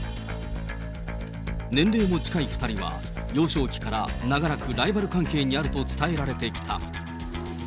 年齢も近い２人は幼少期から長らくライバル関係にあると伝えられてきた。